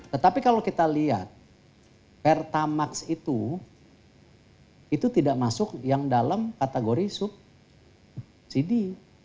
tetapi kalau kita lihat pertamax itu tidak masuk yang dalam kategori subsidi